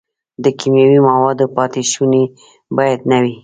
د کیمیاوي موادو پاتې شوني باید نه وي.